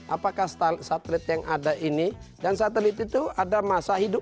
apakah satelit yang ada ini dan satelit itu ada masa hidup